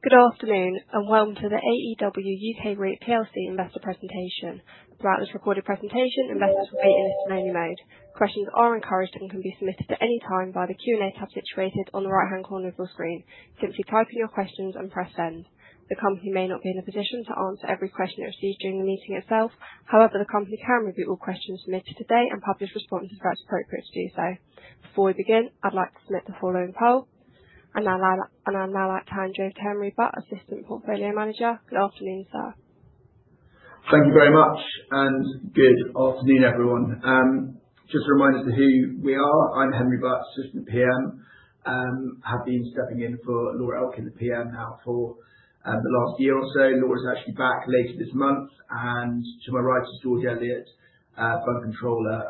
Good afternoon and welcome to the AEW UK REIT plc investor presentation. Throughout this recorded presentation, investors will be in listen-only mode. Questions are encouraged and can be submitted at any time via the Q&A tab situated on the right-hand corner of your screen. Simply type in your questions and press send. The company may not be in a position to answer every question it receives during the meeting itself. However, the company can review all questions submitted today and publish responses where it's appropriate to do so. Before we begin, I'd like to submit the following poll, and I'll now allow it to hand over to Henry Butt, Assistant Portfolio Manager. Good afternoon, sir. Thank you very much, and good afternoon, everyone. Just a reminder to who we are. I'm Henry Butt, Assistant PM. I have been stepping in for Laura Elkin, the PM, now for the last year or so. Laura's actually back later this month, and to my right is George Elliot, fund controller,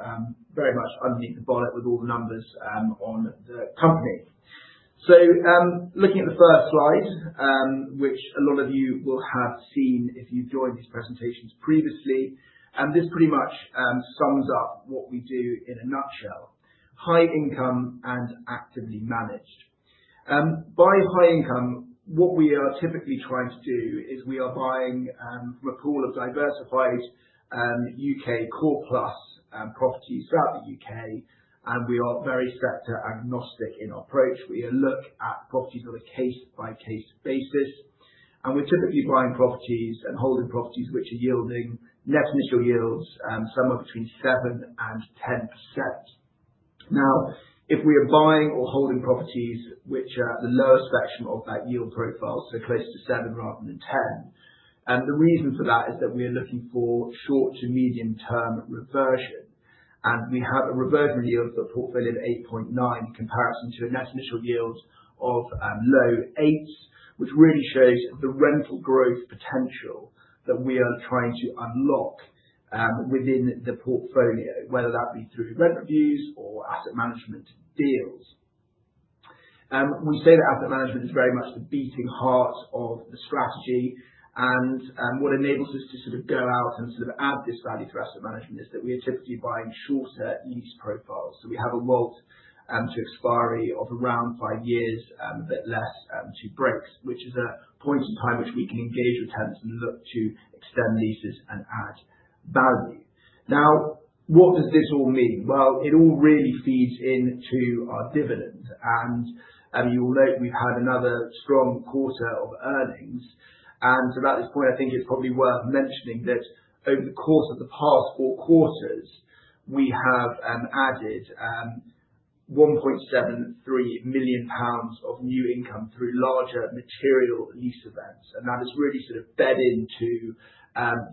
very much underneath the bonnet with all the numbers on the company. Looking at the first slide, which a lot of you will have seen if you've joined these presentations previously, this pretty much sums up what we do in a nutshell: high income and actively managed. By high income, what we are typically trying to do is we are buying from a pool of diversified U.K. core plus properties throughout the U.K., and we are very sector-agnostic in our approach. We look at properties on a case-by-case basis, and we're typically buying properties and holding properties which are yielding net initial yields somewhere between 7% and 10%. Now, if we are buying or holding properties which are the lower spectrum of that yield profile, so close to 7% rather than 10%, the reason for that is that we are looking for short to medium-term reversion, and we have a reversion yield for a portfolio of 8.9% in comparison to a net initial yield of low 8%, which really shows the rental growth potential that we are trying to unlock within the portfolio, whether that be through rent reviews or asset management deals. We say that asset management is very much the beating heart of the strategy, and what enables us to sort of go out and sort of add this value through asset management is that we are typically buying shorter lease profiles, so we have a WALT to expiry of around five years, a bit less to breaks, which is a point in time which we can engage with tenants and look to extend leases and add value. Now, what does this all mean, well, it all really feeds into our dividend, and you will note we've had another strong quarter of earnings. At this point, I think it's probably worth mentioning that over the course of the past four quarters, we have added 1.73 million pounds of new income through larger material lease events, and that has really sort of bedded into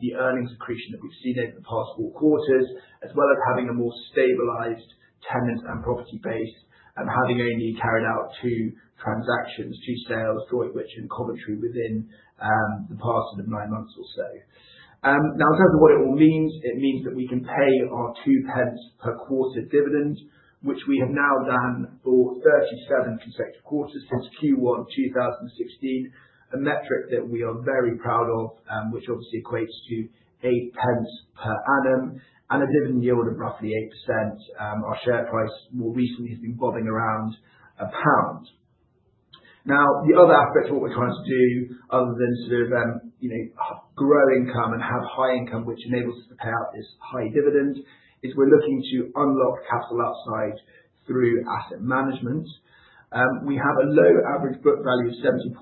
the earnings accretion that we've seen over the past four quarters, as well as having a more stabilized tenant and property base, and having only carried out two transactions, two sales, JV, which and commentary within the past sort of nine months or so. Now, in terms of what it all means, it means that we can pay our 0.02 per quarter dividend, which we have now done for 37 consecutive quarters since Q1 2016, a metric that we are very proud of, which obviously equates to 0.08 per annum and a dividend yield of roughly 8%. Our share price more recently has been bobbing around GBP 1. Now, the other aspect of what we're trying to do, other than sort of grow income and have high income, which enables us to pay out this high dividend, is we're looking to unlock capital outside through asset management. We have a low average book value of 74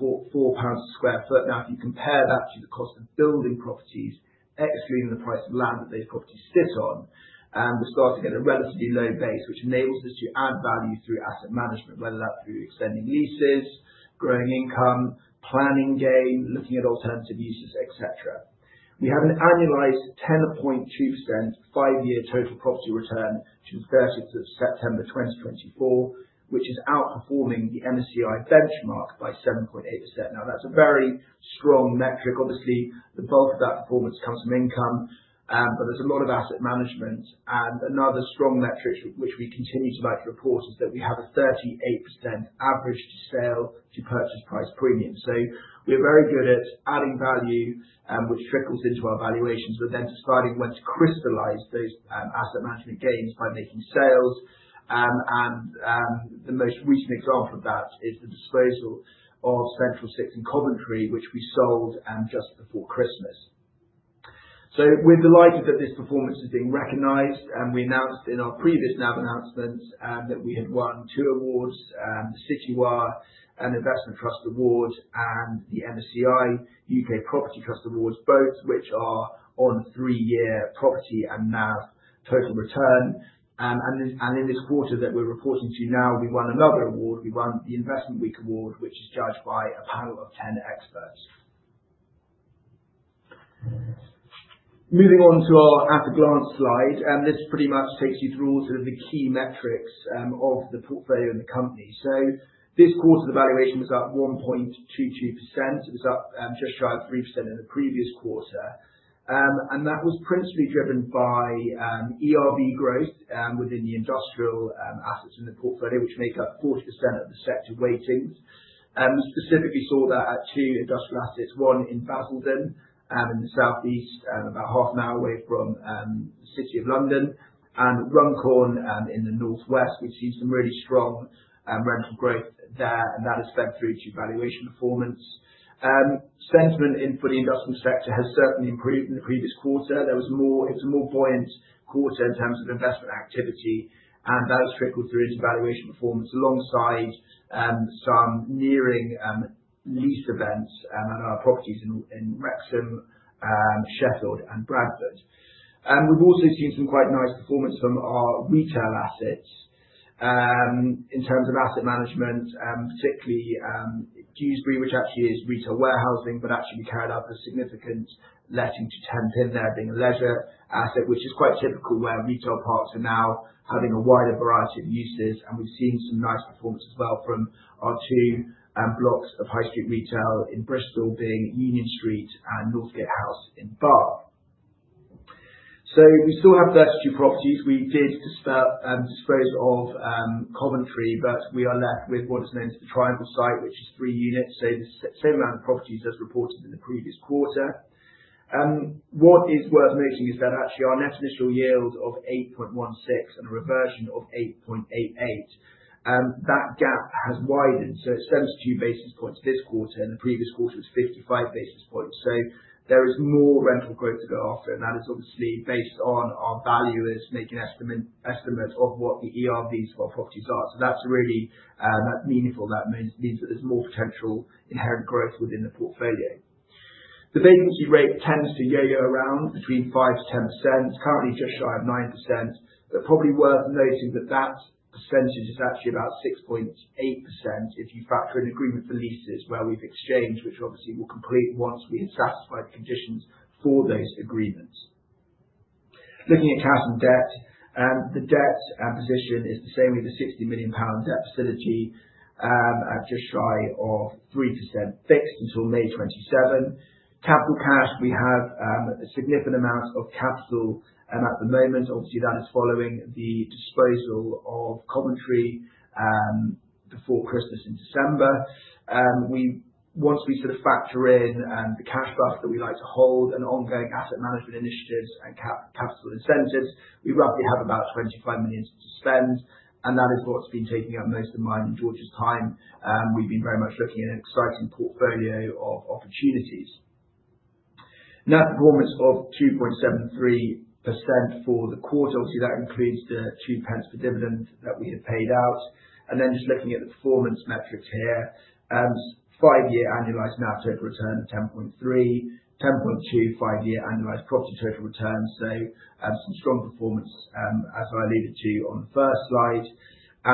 pounds per sq ft. Now, if you compare that to the cost of building properties, excluding the price of land that those properties sit on, we're starting at a relatively low base, which enables us to add value through asset management, whether that's through extending leases, growing income, planning gain, looking at alternative uses, etc. We have an annualized 10.2% five-year total property return to 30 September 2024, which is outperforming the MSCI benchmark by 7.8%. Now, that's a very strong metric. Obviously, the bulk of that performance comes from income, but there's a lot of asset management. Another strong metric which we continue to like to report is that we have a 38% average to sale to purchase price premium. We are very good at adding value, which trickles into our valuations, but then deciding when to crystallize those asset management gains by making sales. The most recent example of that is the disposal of Central Six in Coventry, which we sold just before Christmas. We're delighted that this performance is being recognized, and we announced in our previous NAV announcements that we had won two awards: the Citywire and Investment Trust Award, and the MSCI U.K. Property Trust Awards, both which are on three-year property and NAV total return. In this quarter that we're reporting to now, we won another award. We won the Investment Week Award, which is judged by a panel of 10 experts. Moving on to our at-a-glance slide, this pretty much takes you through all sorts of the key metrics of the portfolio and the company. So this quarter, the valuation was up 1.22%. It was up just shy of 3% in the previous quarter, and that was principally driven by ERV growth within the industrial assets in the portfolio, which make up 40% of the sector weightings. We specifically saw that at two industrial assets: one in Basildon in the southeast, about half an hour away from the city of London, and Runcorn in the northwest. We've seen some really strong rental growth there, and that has fed through to valuation performance. Sentiment for the industrial sector has certainly improved in the previous quarter. There was more. It was a more buoyant quarter in terms of investment activity, and that has trickled through into valuation performance alongside some nearing lease events on our properties in Wrexham, Sheffield, and Bradford. We've also seen some quite nice performance from our retail assets. In terms of asset management, particularly Dewsbury which actually is retail warehousing, but actually we carried out a significant letting to Tenpin there being a leisure asset, which is quite typical where retail parks are now having a wider variety of uses. And we've seen some nice performance as well from our two blocks of high street retail in Bristol being Union Street and Northgate House in Bath. So we still have 32 properties. We did dispose of Coventry, but we are left with what is known as the Triangle site, which is three units, so the same amount of properties as reported in the previous quarter. What is worth noting is that actually our net initial yield of 8.16 and a reversion of 8.88, that gap has widened. So it's 72 basis points this quarter, and the previous quarter was 55 basis points. So there is more rental growth to go after, and that is obviously based on our valuers making estimates of what the ERVs for our properties are. So that's really meaningful. That means that there's more potential inherent growth within the portfolio. The vacancy rate tends to yo-yo around between 5%-10%, currently just shy of 9%, but probably worth noting that that percentage is actually about 6.8% if you factor in agreement for leases where we've exchanged, which obviously will complete once we have satisfied the conditions for those agreements. Looking at cash and debt, the debt position is the same with the 60 million pound debt facility, just shy of 3% fixed until May '27. Capital cash, we have a significant amount of capital at the moment. Obviously, that is following the disposal of Coventry before Christmas in December. Once we sort of factor in the cash buffer that we like to hold and ongoing asset management initiatives and capital incentives, we roughly have about 25 million to spend, and that is what's been taking up most of the mind in George's time. We've been very much looking at an exciting portfolio of opportunities. Net performance of 2.73% for the quarter. Obviously, that includes the 0.02 for dividend that we have paid out, and then just looking at the performance metrics here, five-year annualized net total return of 10.3%, 10.2% five-year annualized property total return. Some strong performance, as I alluded to on the first slide,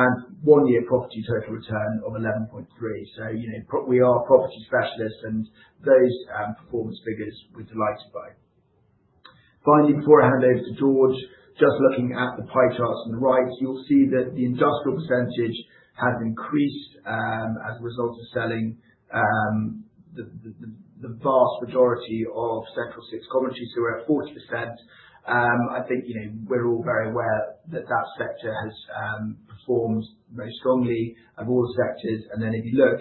and one-year property total return of 11.3%. We are property specialists, and those performance figures we're delighted by. Finally, before I hand over to George, just looking at the pie charts on the right, you'll see that the industrial percentage has increased as a result of selling the vast majority of Central Six Coventry, so we're at 40%. I think we're all very aware that that sector has performed very strongly of all the sectors. And then if you look,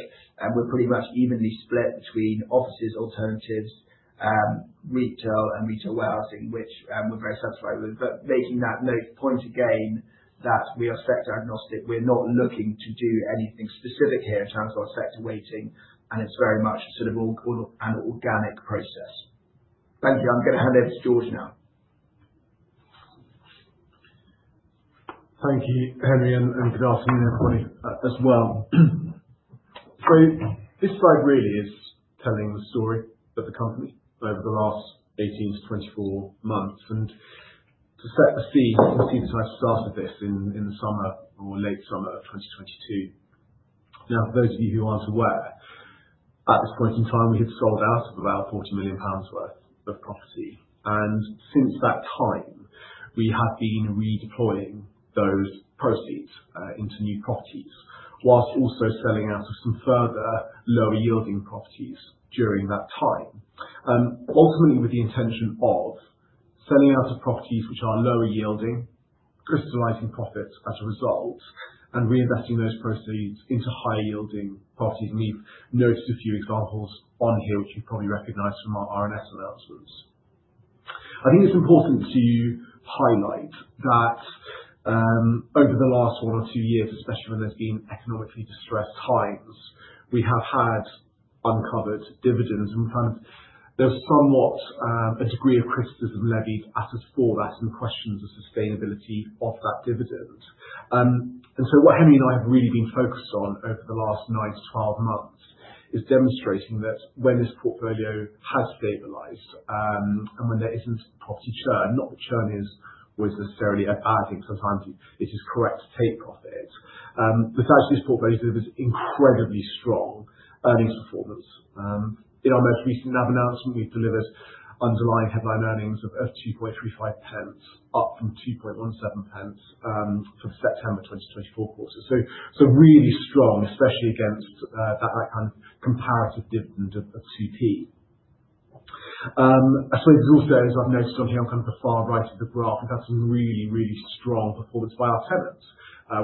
we're pretty much evenly split between offices, alternatives, retail, and retail warehousing, which we're very satisfied with. But making that point again that we are sector-agnostic, we're not looking to do anything specific here in terms of our sector weighting, and it's very much sort of an organic process. Thank you. I'm going to hand over to George now. Thank you, Henry, and good afternoon, everybody as well. So this slide really is telling the story of the company over the last 18-24 months, and to set the scene, you can see that I started this in the summer or late summer of 2022. Now, for those of you who aren't aware, at this point in time, we had sold out of about 40 million pounds worth of property. And since that time, we have been redeploying those proceeds into new properties whilst also selling out of some further lower-yielding properties during that time, ultimately with the intention of selling out of properties which are lower-yielding, crystallizing profits as a result, and reinvesting those proceeds into high-yielding properties. And you've noticed a few examples on here, which you've probably recognized from our RNS announcements. I think it's important to highlight that over the last one or two years, especially when there's been economically distressed times, we have had uncovered dividends, and there's somewhat a degree of criticism levied at us for that and questions of sustainability of that dividend, and so what Henry and I have really been focused on over the last nine to 12 months is demonstrating that when this portfolio has stabilized and when there isn't property churn, not that churn is always necessarily a bad thing, sometimes it is correct to take profits, but actually, this portfolio delivers incredibly strong earnings performance. In our most recent NAV announcement, we've delivered underlying headline earnings of 2.35, up from 2.17 for the September 2024 quarter, so really strong, especially against that kind of comparative dividend of 2p. I suppose it's also, as I've noticed on here, on kind of the far right of the graph, we've had some really, really strong performance by our tenants,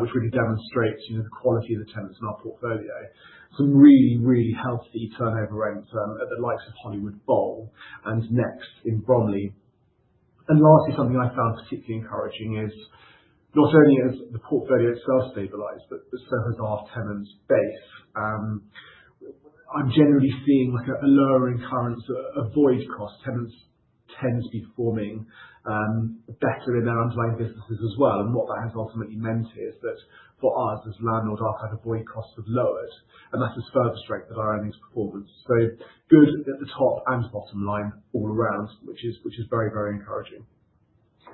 which really demonstrates the quality of the tenants in our portfolio. Some really, really healthy turnover rates at the likes of Hollywood Bowl and Next in Bromley, and lastly, something I found particularly encouraging is not only has the portfolio itself stabilized, but so has our tenants' base. I'm generally seeing a lowering of current void costs. Tenants tend to be performing better in their underlying businesses as well, and what that has ultimately meant is that for us as landlords, our kind of void costs have lowered, and that's a further strength of our earnings performance, so good at the top and bottom line all around, which is very, very encouraging.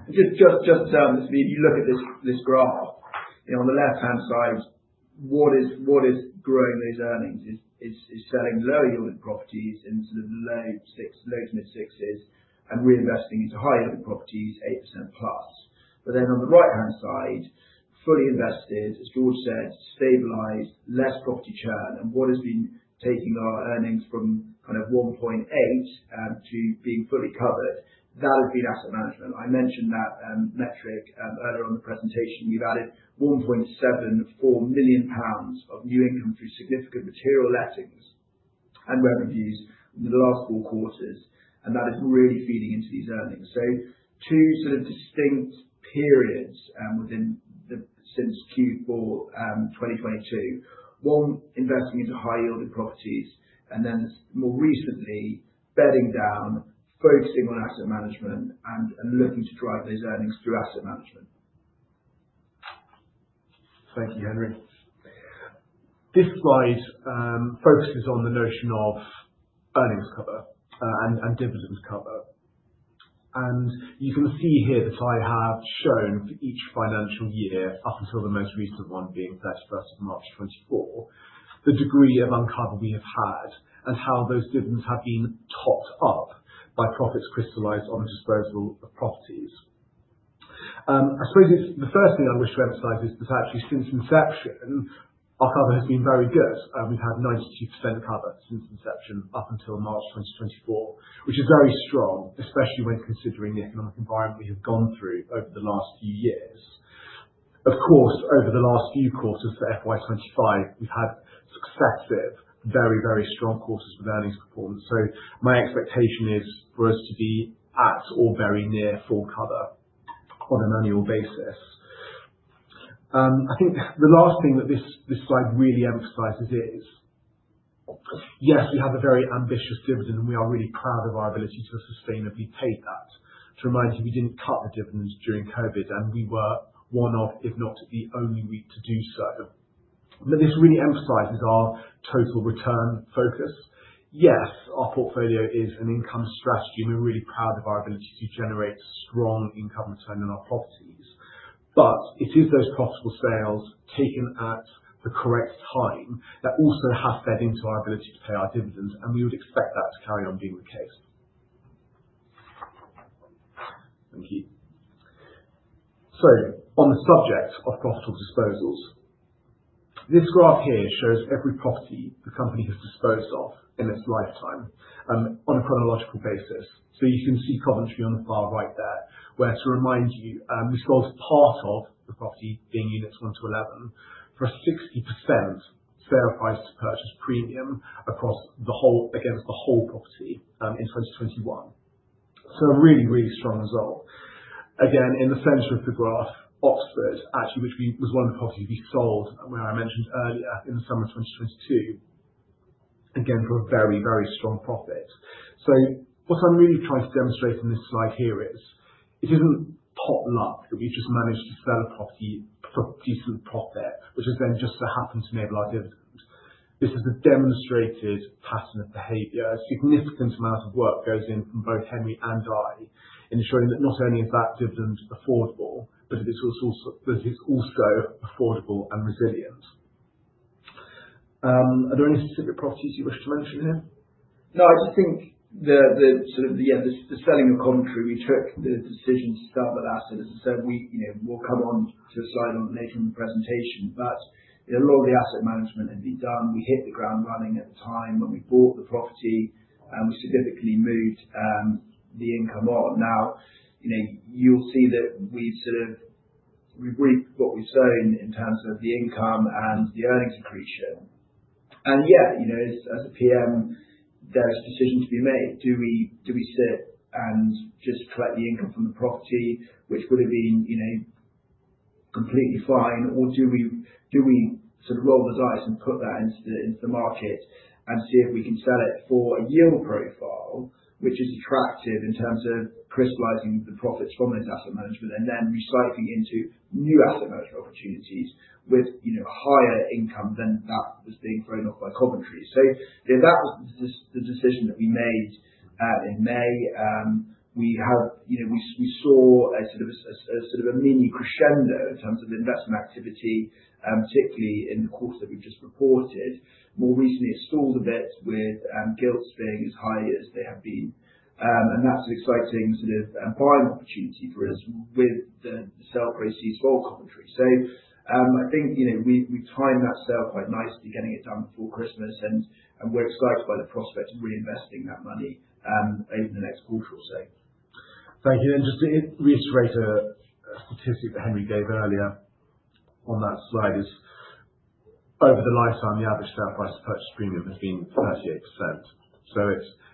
Just to look at this graph on the left-hand side, what is growing those earnings is selling lower-yielding properties in sort of low to mid-sixes and reinvesting into high-yielding properties, 8% plus, but then on the right-hand side, fully invested, as George said, stabilized, less property churn, and what has been taking our earnings from kind of 1.8% to being fully covered, that has been asset management. I mentioned that metric earlier on the presentation. We've added 1.74 million pounds of new income through significant material lettings and rent reviews in the last four quarters, and that is really feeding into these earnings, so two sort of distinct periods since Q4 2022, one investing into high-yielding properties and then more recently bedding down, focusing on asset management and looking to drive those earnings through asset management. Thank you, Henry. This slide focuses on the notion of earnings cover and dividend cover, and you can see here that I have shown for each financial year up until the most recent one being 31 March 2024, the degree of under cover we have had and how those dividends have been topped up by profits crystallized on the disposal of properties. I suppose the first thing I wish to emphasize is that actually since inception, our cover has been very good. We've had 92% cover since inception up until March 2024, which is very strong, especially when considering the economic environment we have gone through over the last few years. Of course, over the last few quarters for FY25, we've had successive, very, very strong quarters with earnings performance, so my expectation is for us to be at or very near full cover on an annual basis. I think the last thing that this slide really emphasizes is, yes, we have a very ambitious dividend, and we are really proud of our ability to sustainably pay that. To remind you, we didn't cut the dividends during COVID, and we were one of, if not the only REIT to do so. But this really emphasizes our total return focus. Yes, our portfolio is an income strategy, and we're really proud of our ability to generate strong income return on our properties. But it is those profitable sales taken at the correct time that also have fed into our ability to pay our dividends, and we would expect that to carry on being the case. Thank you. So on the subject of profitable disposals, this graph here shows every property the company has disposed of in its lifetime on a chronological basis. So you can see Coventry on the far right there, where, to remind you, we sold part of the property being units one to 11 for a 60% fair price to purchase premium against the whole property in 2021. So a really, really strong result. Again, in the center of the graph, Oxford, actually, which was one of the properties we sold, where I mentioned earlier in the summer of 2022, again, for a very, very strong profit. So what I'm really trying to demonstrate in this slide here is it isn't pot luck that we've just managed to sell a property for decent profit, which has then just so happened to enable our dividend. This is a demonstrated pattern of behavior. A significant amount of work goes in from both Henry and I in ensuring that not only is that dividend affordable, but it is also affordable and resilient. Are there any specific properties you wish to mention here? No, I just think the sort of, yeah, the selling of Coventry, we took the decision to sell that asset. As I said, we'll come on to a slide on later in the presentation, but a lot of the asset management had been done. We hit the ground running at the time when we bought the property, and we significantly moved the income on. Now, you'll see that we've sort of reaped what we've sown in terms of the income and the earnings accretion. And yeah, as a PM, there is a decision to be made. Do we sit and just collect the income from the property, which would have been completely fine, or do we sort of roll the dice and put that into the market and see if we can sell it for a yield profile, which is attractive in terms of crystallizing the profits from those asset management and then recycling into new asset management opportunities with a higher income than that was being thrown off by Coventry? So that was the decision that we made in May. We saw a sort of a mini crescendo in terms of investment activity, particularly in the quarter that we've just reported. More recently, it stalled a bit with gilts being as high as they have been. And that's an exciting sort of buying opportunity for us with the sale proceeds for Coventry. So I think we timed that sale quite nicely, getting it done before Christmas, and we're excited by the prospect of reinvesting that money over the next quarter or so. Thank you. And just to reiterate a statistic that Henry gave earlier on that slide is over the lifetime, the average fair price to purchase premium has been 38%. So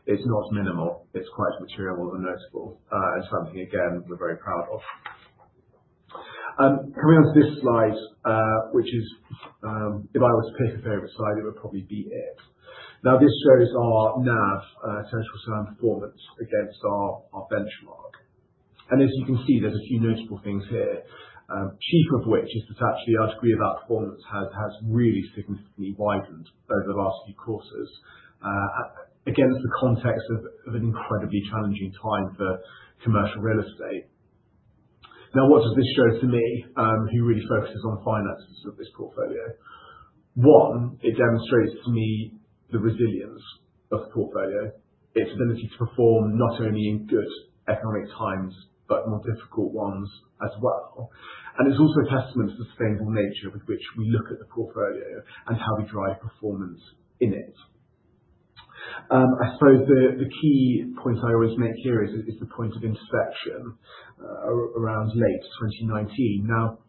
it's not minimal. It's quite material and notable and something, again, we're very proud of. Coming on to this slide, which is, if I was to pick a favorite slide, it would probably be it. Now, this shows our NAV, total return on performance, against our benchmark. And as you can see, there's a few notable things here, chief of which is that actually our degree of outperformance has really significantly widened over the last few quarters against the context of an incredibly challenging time for commercial real estate. Now, what does this show to me, who really focuses on finances of this portfolio? One, it demonstrates to me the resilience of the portfolio, its ability to perform not only in good economic times, but more difficult ones as well. And it's also a testament to the sustainable nature with which we look at the portfolio and how we drive performance in it. I suppose the key point I always make here is the point of intersection around late 2019. Now,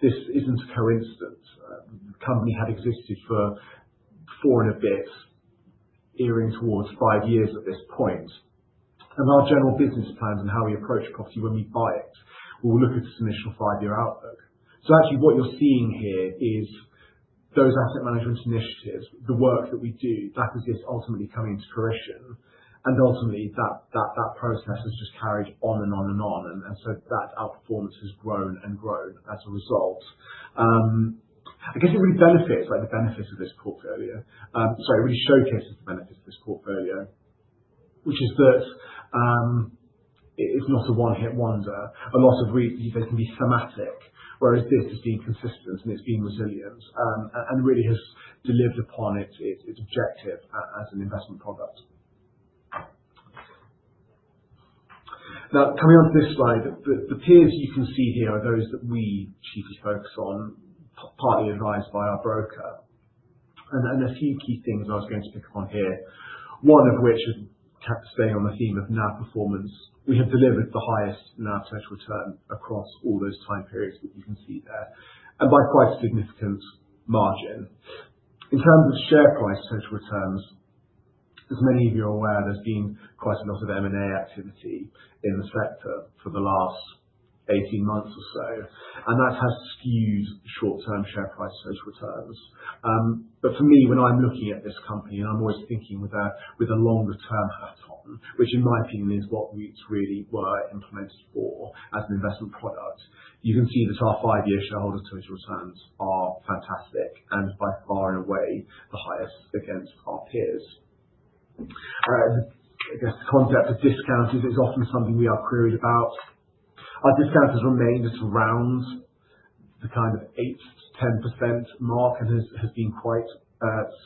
this isn't a coincidence. The company had existed for four and a bit, nearing towards five years at this point. And our general business plans and how we approach a property when we buy it, we'll look at its initial five-year outlook. So actually, what you're seeing here is those asset management initiatives, the work that we do, that is just ultimately coming into fruition. And ultimately, that process has just carried on and on and on. That outperformance has grown and grown as a result. I guess it really benefits the benefits of this portfolio. Sorry, it really showcases the benefits of this portfolio, which is that it's not a one-hit wonder. A lot of reasons, they can be thematic, whereas this has been consistent and it's been resilient and really has delivered upon its objective as an investment product. Now, coming on to this slide, the peers you can see here are those that we chiefly focus on, partly advised by our broker. A few key things I was going to pick up on here, one of which, staying on the theme of NAV performance, we have delivered the highest NAV total return across all those time periods that you can see there and by quite a significant margin. In terms of share price total returns, as many of you are aware, there's been quite a lot of M&A activity in the sector for the last 18 months or so. And that has skewed short-term share price total returns. But for me, when I'm looking at this company and I'm always thinking with a longer-term hat on, which in my opinion is what REITs really were implemented for as an investment product, you can see that our five-year shareholder total returns are fantastic and by far and away the highest against our peers. I guess the concept of discounts is often something we are queried about. Our discounts have remained at around the kind of 8%-10% mark and has been quite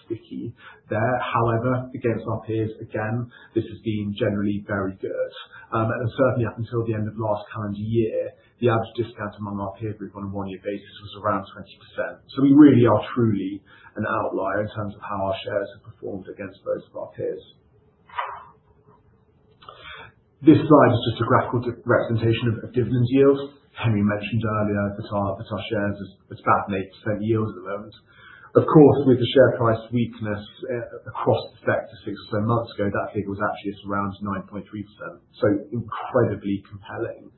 sticky there. However, against our peers, again, this has been generally very good. Certainly up until the end of last calendar year, the average discount among our peer group on a one-year basis was around 20%. We really are truly an outlier in terms of how our shares have performed against those of our peers. This slide is just a graphical representation of dividend yields. Henry mentioned earlier that our shares are at about an 8% yield at the moment. Of course, with the share price weakness across the sector six or so months ago, that figure was actually at around 9.3%. Incredibly compelling.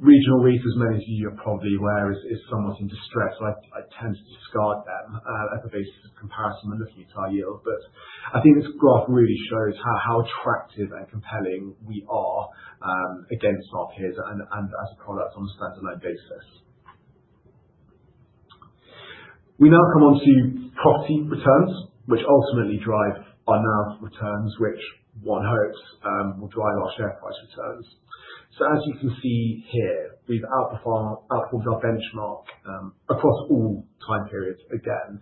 Regional REITs, as many of you are probably aware, are somewhat in distress. I tend to discard them as a basis of comparison when looking at our yield. But I think this graph really shows how attractive and compelling we are against our peers and as a product on a standalone basis. We now come on to property returns, which ultimately drive our NAV returns, which one hopes will drive our share price returns, so as you can see here, we've outperformed our benchmark across all time periods again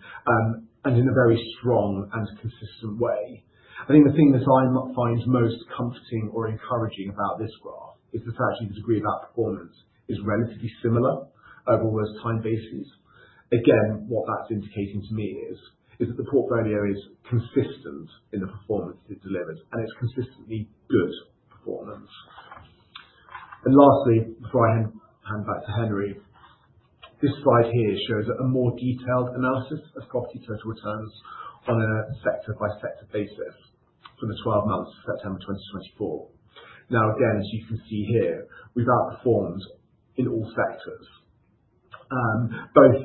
and in a very strong and consistent way. I think the thing that I find most comforting or encouraging about this graph is that actually the degree of outperformance is relatively similar over almost time bases. Again, what that's indicating to me is that the portfolio is consistent in the performance it delivers and it's consistently good performance, and lastly, before I hand back to Henry, this slide here shows a more detailed analysis of property total returns on a sector-by-sector basis for the 12 months of September 2024. Now, again, as you can see here, we've outperformed in all sectors, both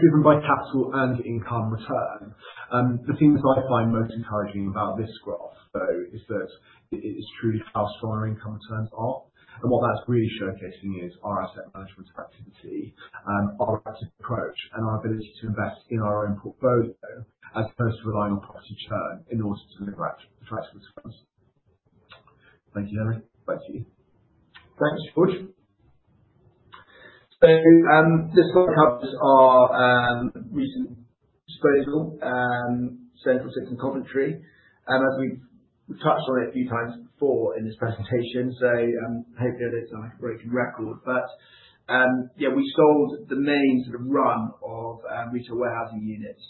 driven by capital and income return. The things I find most encouraging about this graph, though, is that it is truly how strong our income returns are. And what that's really showcasing is our asset management efficiency, our active approach, and our ability to invest in our own portfolio as opposed to relying on property churn in order to deliver attractive returns. Thank you, Henry. Back to you. Thanks, George. This slide covers our recent disposal, Central Six in Coventry, as we've touched on it a few times before in this presentation. Hopefully, I don't sound like a broken record. But yeah, we sold the main sort of run of retail warehousing units,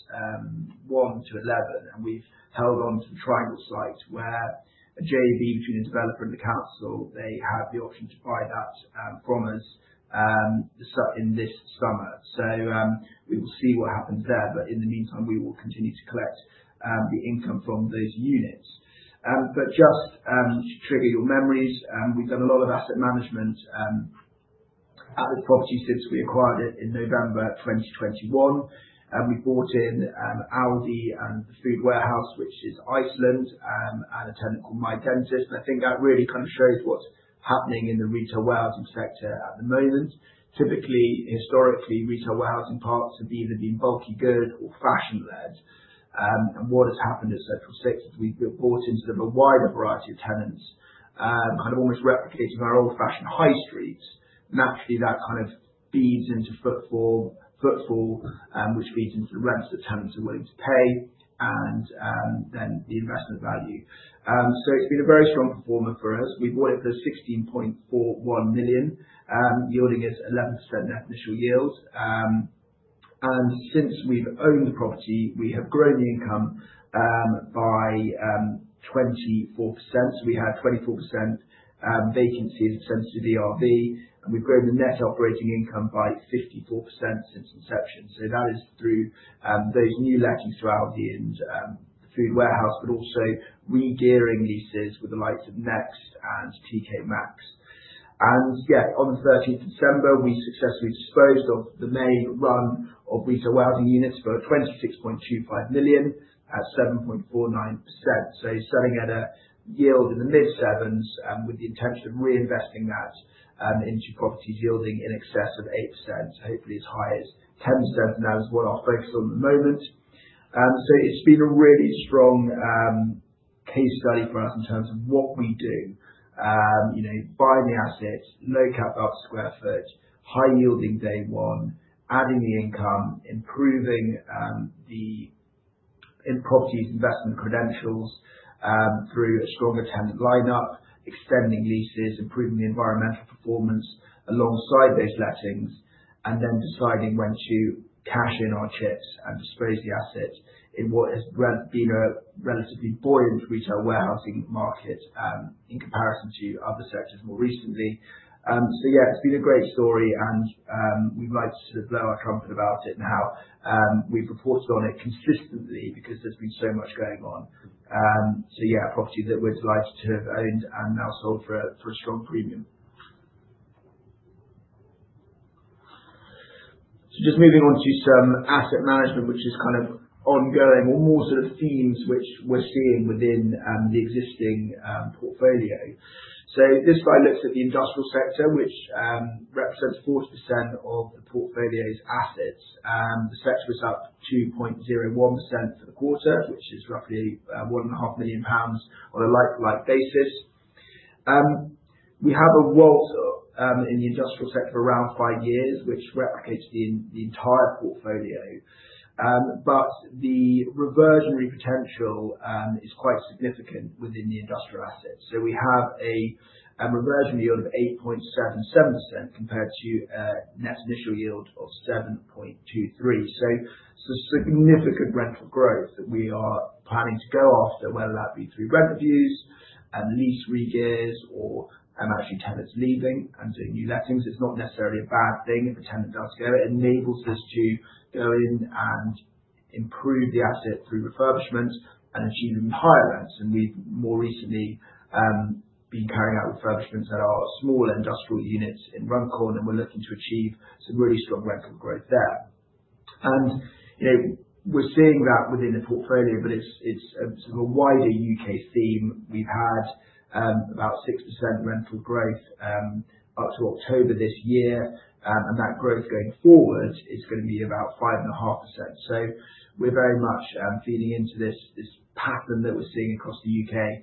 one to 11, and we've held on to the Triangle site where a JV between a developer and the council, they have the option to buy that from us this summer. We will see what happens there. But in the meantime, we will continue to collect the income from those units. But just to trigger your memories, we've done a lot of asset management at this property since we acquired it in November 2021. We bought in Aldi and The Food Warehouse, which is Iceland, and a tenant called MyDentist. And I think that really kind of shows what's happening in the retail warehousing sector at the moment. Typically, historically, retail warehousing parks have either been bulky good or fashion-led. And what has happened at Central Six is we've bought into them a wider variety of tenants, kind of almost replicating our old-fashioned high streets. Naturally, that kind of feeds into footfall, which feeds into the rents that tenants are willing to pay and then the investment value. So it's been a very strong performer for us. We bought it for 16.41 million, yielding us 11% net initial yield, and since we've owned the property, we have grown the income by 24%. We had 24% vacancy of ERV, and we've grown the net operating income by 54% since inception, so that is through those new lettings to Aldi and The Food Warehouse, but also re-gearing leases with the likes of Next and TK Maxx. Yeah, on the 13th of December, we successfully disposed of the main run of retail warehousing units for 26.25 million at 7.49%, so selling at a yield in the mid-sevens with the intention of reinvesting that into properties yielding in excess of 8%, so hopefully, as high as 10% now is what our focus on at the moment. So it's been a really strong case study for us in terms of what we do: buying the assets, low-cap out to sq ft, high-yielding day one, adding the income, improving the properties' investment credentials through a stronger tenant lineup, extending leases, improving the environmental performance alongside those lettings, and then deciding when to cash in our chips and dispose the asset in what has been a relatively buoyant retail warehousing market in comparison to other sectors more recently. So yeah, it's been a great story, and we'd like to sort of blow our trumpet about it now. We've reported on it consistently because there's been so much going on. So yeah, a property that we're delighted to have owned and now sold for a strong premium. So just moving on to some asset management, which is kind of ongoing or more sort of themes which we're seeing within the existing portfolio. So this slide looks at the industrial sector, which represents 40% of the portfolio's assets. The sector was up 2.01% for the quarter, which is roughly 1.5 million pounds on a like-for-like basis. We have a WALT in the industrial sector for around five years, which replicates the entire portfolio. But the reversionary potential is quite significant within the industrial assets. So we have a reversion yield of 8.77% compared to net initial yield of 7.23%. So it's a significant rental growth that we are planning to go after, whether that be through rent reviews, lease re-gears, or actually tenants leaving and doing new lettings. It's not necessarily a bad thing if a tenant does go. It enables us to go in and improve the asset through refurbishment and achieve even higher rents, and we've more recently been carrying out refurbishments at our smaller industrial units in Runcorn, and we're looking to achieve some really strong rental growth there, and we're seeing that within the portfolio, but it's a wider U.K. theme. We've had about six% rental growth up to October this year, and that growth going forward is going to be about 5.5%. So we're very much feeding into this pattern that we're seeing across the U.K.,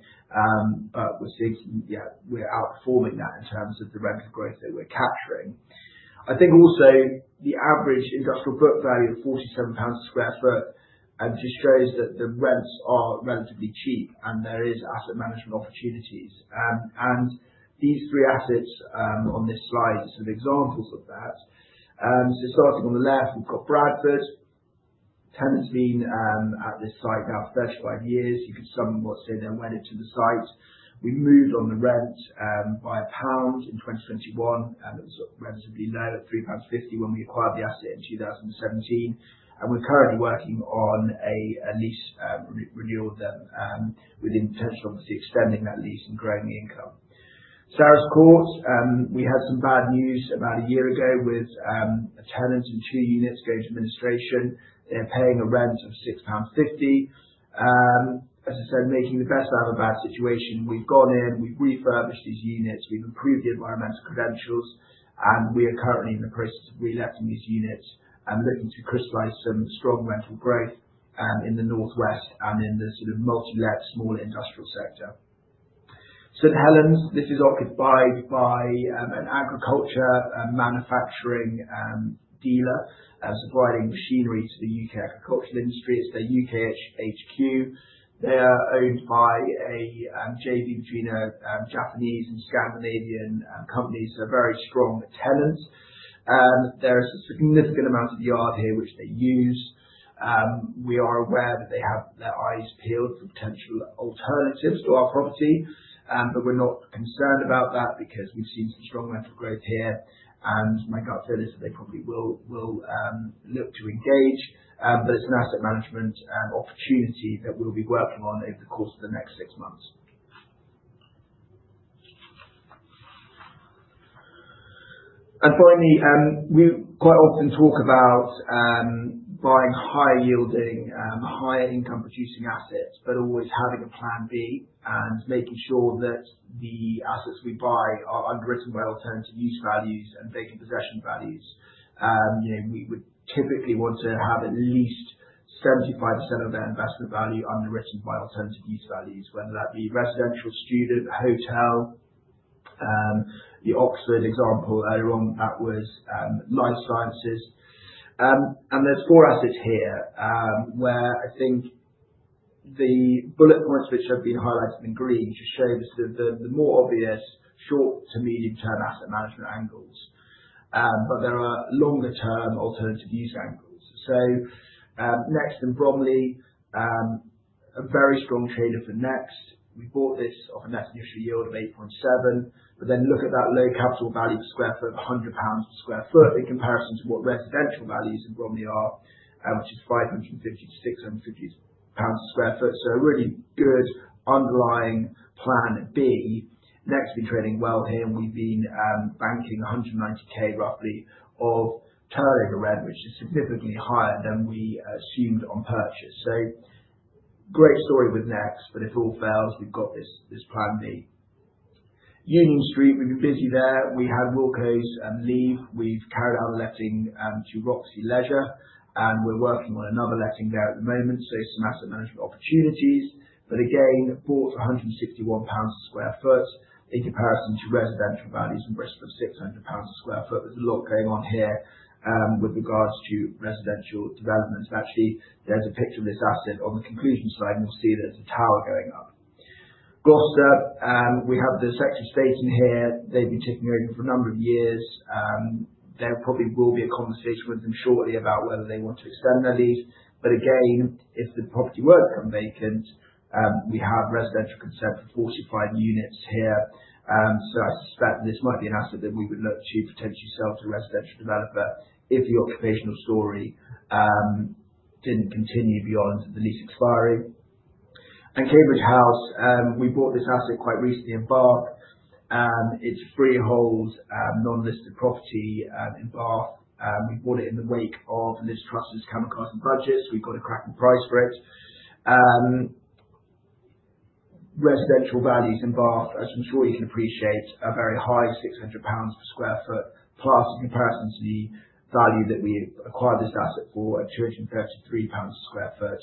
but we're seeing some yeah, we're outperforming that in terms of the rental growth that we're capturing. I think also the average industrial book value of 47 pounds sq ft just shows that the rents are relatively cheap and there are asset management opportunities, and these three assets on this slide are sort of examples of that. Starting on the left, we've got Bradford. Tenants have been at this site now for 35 years. You could sum what's in and when into the site. We moved on the rent by GBP 1 in 2021, and it was relatively low at 3.50 pounds when we acquired the asset in 2017. We're currently working on a lease renewal with the potential of extending that lease and growing the income. Sarus Court, we had some bad news about a year ago with a tenant and two units going to administration. They're paying a rent of 6.50 pounds. As I said, making the best out of a bad situation. We've gone in, we've refurbished these units, we've improved the environmental credentials, and we are currently in the process of reletting these units and looking to crystallize some strong rental growth in the northwest and in the sort of multi-let small industrial sector. St Helens, this is occupied by an agricultural manufacturing dealer supplying machinery to the U.K. agricultural industry. It's their U.K. HQ. They are owned by a JV between a Japanese and Scandinavian company, so very strong tenants. There is a significant amount of yard here which they use. We are aware that they have their eyes peeled for potential alternatives to our property, but we're not concerned about that because we've seen some strong rental growth here, and my gut feel is that they probably will look to engage, but it's an asset management opportunity that we'll be working on over the course of the next six months. Finally, we quite often talk about buying high-yielding, high-income-producing assets, but always having a plan B and making sure that the assets we buy are underwritten by alternative use values and vacant possession values. We would typically want to have at least 75% of their investment value underwritten by alternative use values, whether that be residential, student, hotel. The Oxford example earlier on, that was life sciences. And there's four assets here where I think the bullet points which have been highlighted in green just show the more obvious short to medium-term asset management angles, but there are longer-term alternative use angles. So Next and Bromley, a very strong trader for Next. We bought this off a net initial yield of 8.7%, but then look at that low capital value per sq ft of 100 pounds per sq ft in comparison to what residential values in Bromley are, which is 550 to 650 pounds a sq ft. So a really good underlying plan B. Next has been trading well here, and we've been banking 190K roughly of turnover rent, which is significantly higher than we assumed on purchase. So great story with Next, but if all fails, we've got this plan B. Union Street, we've been busy there. We had Wilko's leave. We've carried out a letting to Roxy Leisure, and we're working on another letting there at the moment. So some asset management opportunities, but again, bought 161 pounds a sq ft in comparison to residential values and Bristol of 600 pounds a sq ft. There's a lot going on here with regards to residential development. Actually, there's a picture of this asset on the conclusion slide, and you'll see there's a tower going up. Gloucester, we have the Secretary of State in here. They've been ticking over for a number of years. There probably will be a conversation with them shortly about whether they want to extend their lease. But again, if the property were to come vacant, we have residential consent for 45 units here. So I suspect this might be an asset that we would look to potentially sell to a residential developer if the occupational story didn't continue beyond the lease expiry. And Cambridge House, we bought this asset quite recently in Bath. It's a freehold non-listed property in Bath. We bought it in the wake of Liz Truss's mini-budget. We've got a cracking price for it. Residential values in Bath, as I'm sure you can appreciate, are very high, 600 pounds per sq ft, plus in comparison to the value that we acquired this asset for at 233 pounds per sq ft.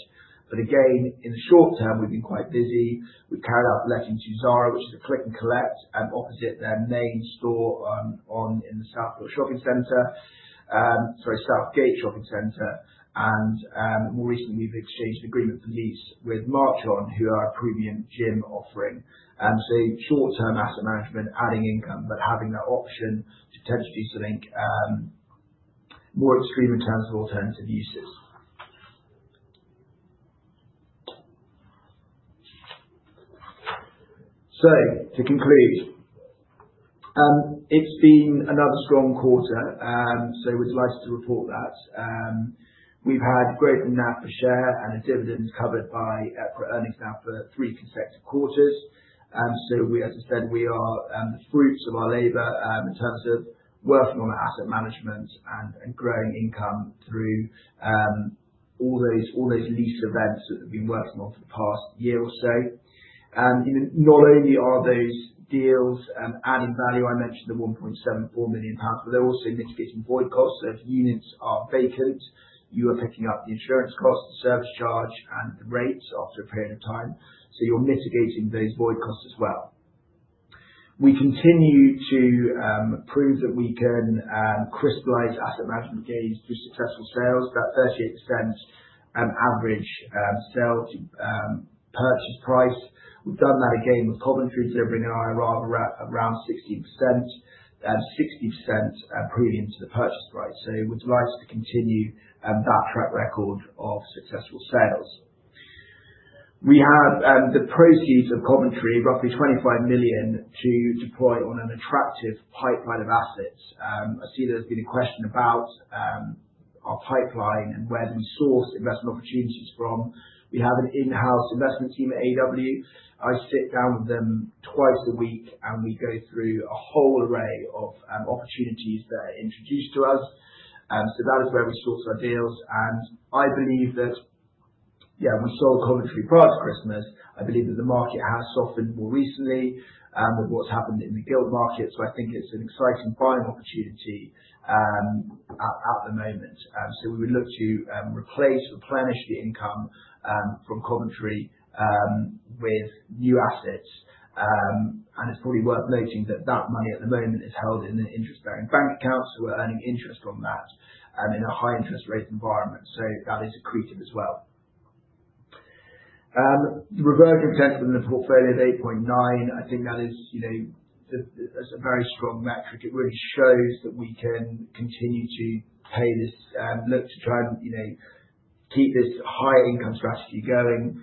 But again, in the short-term, we've been quite busy. We've carried out letting to Zara, which is a click and collect, opposite their main store in the Southport Shopping Centre, sorry, Southgate Shopping Centre, and more recently, we've exchanged an agreement for lease with Marchon, who are a premium gym offering, so short-term asset management, adding income, but having that option to potentially seek more extreme returns of alternative uses. So to conclude, it's been another strong quarter, so we're delighted to report that. We've had great net per share and a dividend covered by EPRA earnings now for three consecutive quarters, so as I said, we are the fruits of our labor in terms of working on asset management and growing income through all those lease events that we've been working on for the past year or so. Not only are those deals adding value, I mentioned the 1.74 million pounds, but they're also mitigating void costs. If units are vacant, you are picking up the insurance cost, the service charge, and the rates after a period of time. So you're mitigating those void costs as well. We continue to prove that we can crystallize asset management gains through successful sales, that 38% average sale to purchase price. We've done that again with Coventry, delivering an IRR of around 16%, 60% premium to the purchase price. So we're delighted to continue that track record of successful sales. We have the proceeds of Coventry, roughly 25 million, to deploy on an attractive pipeline of assets. I see there's been a question about our pipeline and where do we source investment opportunities from. We have an in-house investment team at AEW. I sit down with them twice a week, and we go through a whole array of opportunities that are introduced to us. That is where we source our deals. I believe that, yeah, we saw Coventry prior to Christmas. I believe that the market has softened more recently with what's happened in the gilt market. I think it's an exciting buying opportunity at the moment. We would look to replace, replenish the income from Coventry with new assets. It's probably worth noting that that money at the moment is held in an interest-bearing bank account. We're earning interest on that in a high-interest rate environment. That is accretive as well. The reversion potential in the portfolio of 8.9, I think that is a very strong metric. It really shows that we can continue to pay this look to try and keep this high-income strategy going,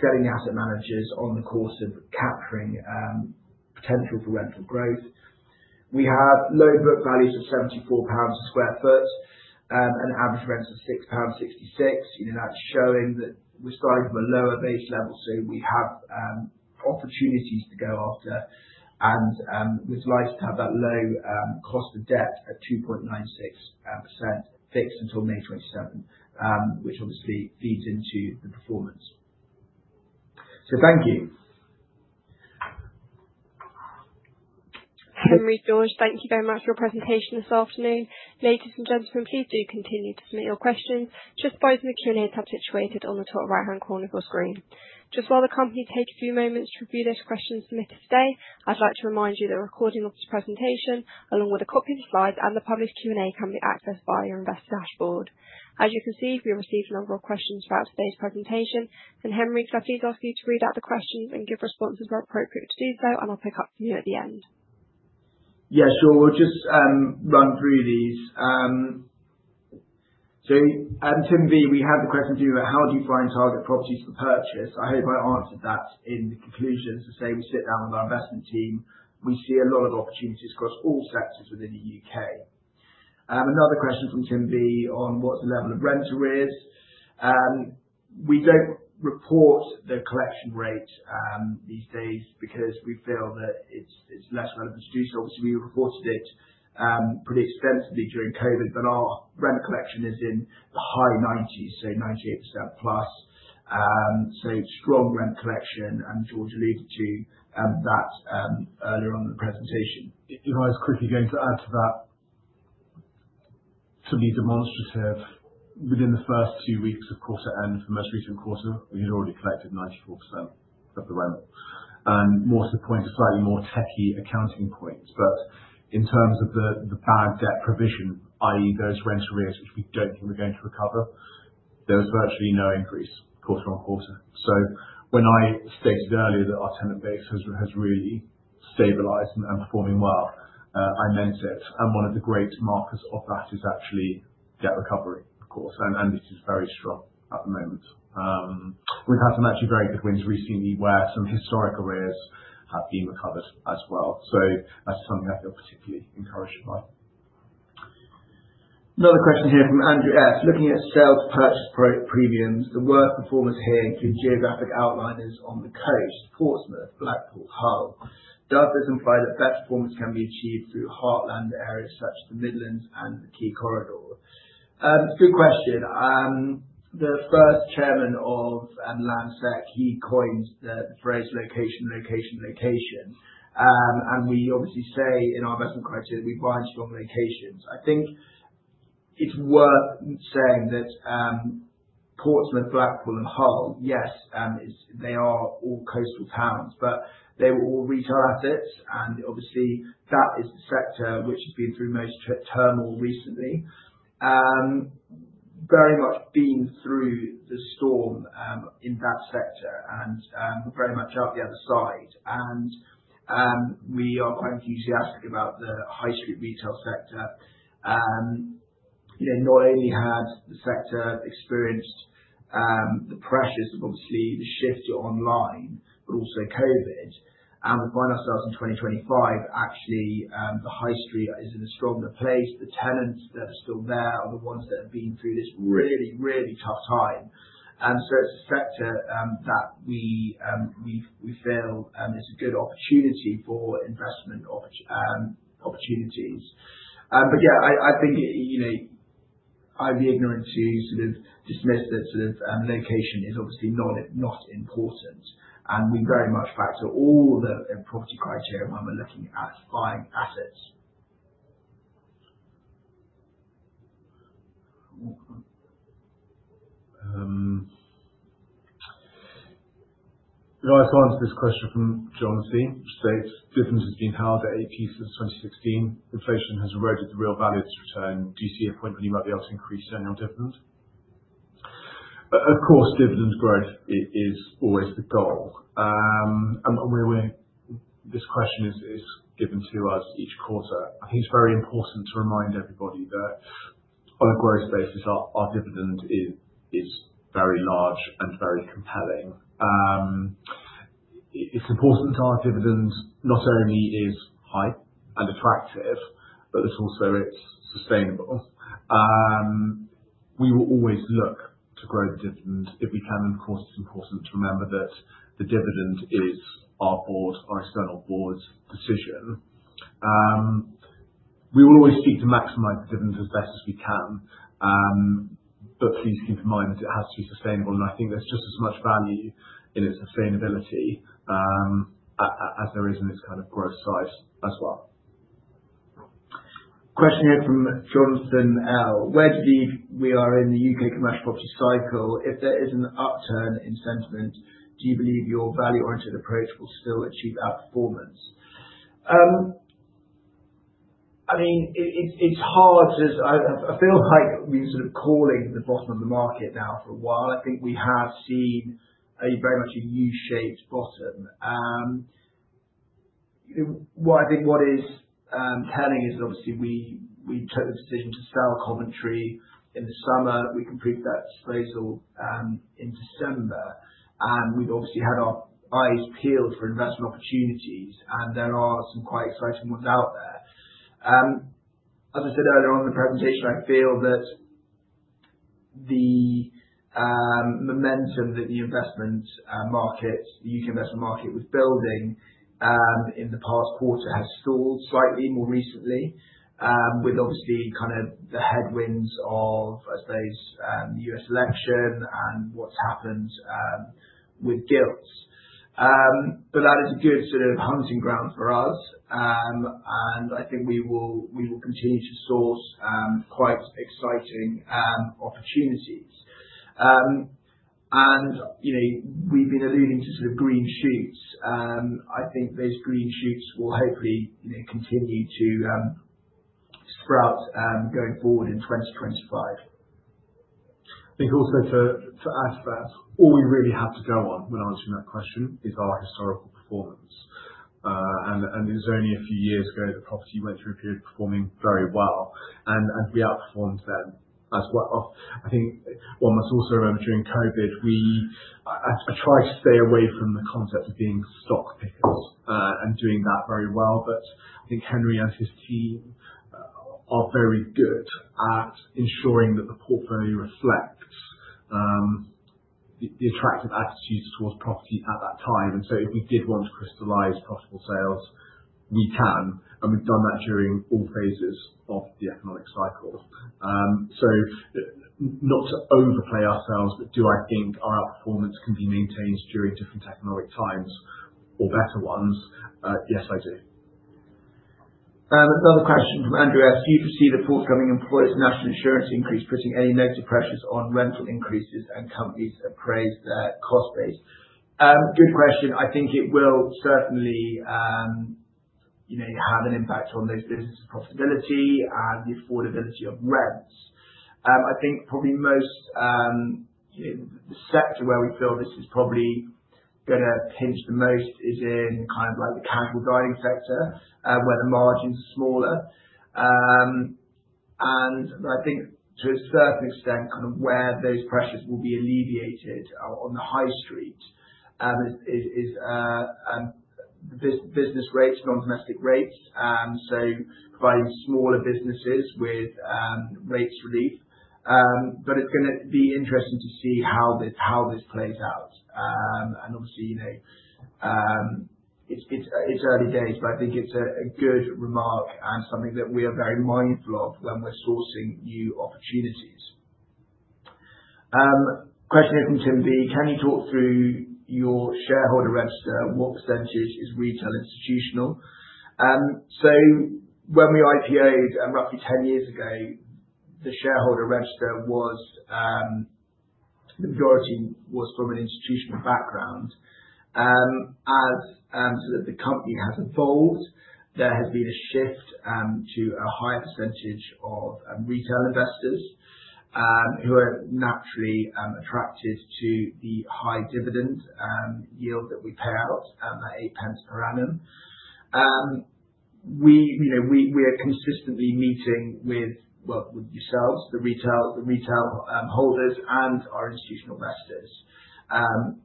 setting the asset managers on the course of capturing potential for rental growth. We have low book values of 74 pounds a sq ft and average rents of 6.66 pounds. That's showing that we're starting from a lower base level. So we have opportunities to go after, and we're delighted to have that low cost of debt at 2.96% fixed until May 27, which obviously feeds into the performance. So thank you. Henry, George, thank you very much for your presentation this afternoon. Ladies and gentlemen, please do continue to submit your questions. Just by using the Q&A tab situated on the top right-hand corner of your screen. Just while the company takes a few moments to review those questions submitted today, I'd like to remind you that the recording of this presentation, along with a copy of the slides and the published Q&A, can be accessed via your investor dashboard. As you can see, we received a number of questions throughout today's presentation. And Henry, could I please ask you to read out the questions and give responses where appropriate to do so? And I'll pick up from you at the end. Yeah, sure. We'll just run through these. So Tim V, we had the question to you about how do you find target properties for purchase? I hope I answered that in the conclusion. So say we sit down with our investment team, we see a lot of opportunities across all sectors within the U.K. Another question from Tim V on what the level of rent is. We don't report the collection rate these days because we feel that it's less relevant to do so. Obviously, we reported it pretty extensively during COVID, but our rent collection is in the high 90s, so 98% plus. So strong rent collection, and George alluded to that earlier on in the presentation. If I was quickly going to add to that, to be demonstrative, within the first two weeks of quarter end for most recent quarter, we had already collected 94% of the rent. And more to the point of slightly more techy accounting points. But in terms of the bad debt provision, i.e., those rent arrears which we don't think we're going to recover, there was virtually no increase quarter on quarter. So when I stated earlier that our tenant base has really stabilized and performing well, I meant it. And one of the great markers of that is actually debt recovery, of course. And it is very strong at the moment. We've had some actually very good wins recently where some historic arrears have been recovered as well. So that's something I feel particularly encouraged by. Another question here from Andrew S. Looking at sales to purchase premiums, the worst performance here includes geographic outliers on the coast, Portsmouth, Blackpool, Hull. Does this imply that better performance can be achieved through heartland areas such as the Midlands and the key corridor? It's a good question. The first chairman of Landsec, he coined the phrase "location, location, location." We obviously say in our investment criteria, we buy in strong locations. I think it's worth saying that Portsmouth, Blackpool, and Hull, yes, they are all coastal towns, but they were all retail assets. Obviously, that is the sector which has been through most turmoil recently, very much been through the storm in that sector and very much out the other side. We are quite enthusiastic about the high street retail sector. Not only had the sector experienced the pressures of obviously the shift online, but also COVID. We find ourselves in 2025. Actually, the high street is in a stronger place. The tenants that are still there are the ones that have been through this really, really tough time. And so it's a sector that we feel is a good opportunity for investment opportunities. But yeah, I think I'd be ignorant to sort of dismiss that sort of location is obviously not important. And we very much factor all the property criteria when we're looking at buying assets. If I answer this question from John C, which states dividends have been held at 2.3p since 2016, inflation has eroded the real value of this return. Do you see a point when you might be able to increase annual dividend? Of course, dividend growth is always the goal. And this question is given to us each quarter. I think it's very important to remind everybody that on a growth basis, our dividend is very large and very compelling. It's important our dividend not only is high and attractive, but it's also sustainable. We will always look to grow the dividend if we can. And of course, it's important to remember that the dividend is our board, our external board's decision. We will always seek to maximize the dividend as best as we can. But please keep in mind that it has to be sustainable. And I think there's just as much value in its sustainability as there is in its kind of growth size as well. Question here from Johnson L. Where do you believe we are in the U.K. commercial property cycle? If there is an upturn in sentiment, do you believe your value-oriented approach will still achieve outperformance? I mean, it's hard to, I feel like we've been sort of calling the bottom of the market now for a while. I think we have seen very much a U-shaped bottom. I think what is telling is that obviously we took the decision to sell Coventry in the summer. We completed that disposal in December. And we've obviously had our eyes peeled for investment opportunities. And there are some quite exciting ones out there. As I said earlier on in the presentation, I feel that the momentum that the investment market, the U.K. investment market, was building in the past quarter has stalled slightly more recently, with obviously kind of the headwinds of, I suppose, the U.S. election and what's happened with gilts. But that is a good sort of hunting ground for us. And I think we will continue to source quite exciting opportunities. We've been alluding to sort of green shoots. I think those green shoots will hopefully continue to sprout going forward in 2025. I think also for us, all we really have to go on when answering that question is our historical performance. It was only a few years ago that property went through a period of performing very well and we outperformed them as well. I think one must also remember during COVID, I tried to stay away from the concept of being stock pickers and doing that very well. But I think Henry and his team are very good at ensuring that the portfolio reflects the attractive attitudes towards property at that time. So if we did want to crystallize profitable sales, we can. We've done that during all phases of the economic cycle. Not to overplay ourselves, but do I think our outperformance can be maintained during different economic times or better ones? Yes, I do. Another question from Andrew S. Do you foresee the forthcoming employers' national insurance increase putting any negative pressures on rental increases and companies appraise their cost base? Good question. I think it will certainly have an impact on those businesses' profitability and the affordability of rents. I think probably most of the sector where we feel this is probably going to pinch the most is in kind of like the casual dining sector where the margins are smaller. And I think to a certain extent, kind of where those pressures will be alleviated on the high street is business rates, non-domestic rates. So providing smaller businesses with rates relief. But it's going to be interesting to see how this plays out. Obviously, it's early days, but I think it's a good remark and something that we are very mindful of when we're sourcing new opportunities. Question here from Tim V. Can you talk through your shareholder register? What percentage is retail institutional? So when we IPO'd roughly 10 years ago, the shareholder register was the majority was from an institutional background. As the company has evolved, there has been a shift to a higher percentage of retail investors who are naturally attracted to the high dividend yield that we pay out at eight pence per annum. We are consistently meeting with, well, with yourselves, the retail holders and our institutional investors